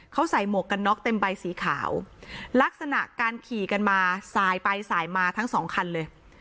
เขาใส่หมวกกันน็อกเต็มใบสีขาวลักษณะการขี่กันมาสายไปสายมาทั้งสองคันเลย